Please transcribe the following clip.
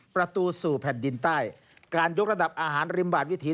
ประตูสู่แผ่นดินใต้การยกระดับอาหารริมบาดวิถี